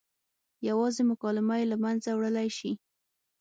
یوازې مکالمه یې له منځه وړلی شي.